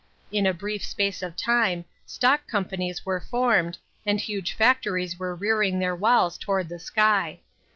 In a brief space of time stock companies were formed, and huge factories were rearing their walls toward the sky.